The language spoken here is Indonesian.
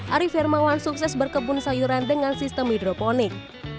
ari firmawan sukses berkebun sayuran dengan sistem hidroponik